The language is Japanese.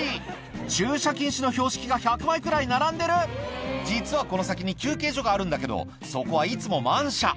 駐車禁止の標識が１００枚くらい並んでる実はこの先に休憩所があるんだけどそこはいつも満車